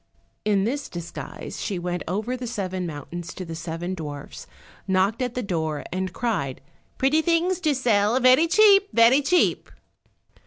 In this disguise she went over the seven mountains to the seven dwarfs, and knocked at the door and cried, "Pretty things to sell, very cheap, very cheap."